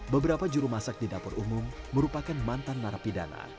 beberapa juru masak di dapur umum merupakan mantan narapidana